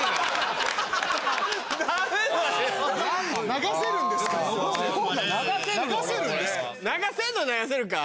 流せるんですか？